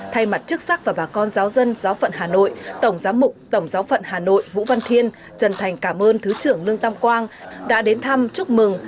thay mặt chức sắc và bà con giáo dân giáo phận hà nội tổng giám mục tổng giáo phận hà nội vũ văn thiên trần thành cảm ơn thứ trưởng lương tam quang đã đến thăm chúc mừng